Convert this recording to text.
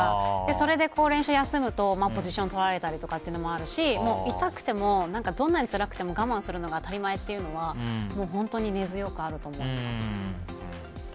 それで練習を休むとポジションをとられたりとかもあるし痛くても、どんなにつらくても我慢するのが当たり前というのが本当に根強くあると思います。